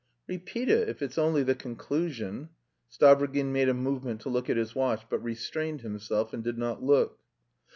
"Repeat it, if it's only the conclusion...." Stavrogin made a movement to look at his watch, but restrained himself and did not look.